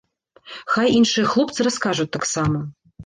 Хай іншыя хлопцы раскажуць таксама.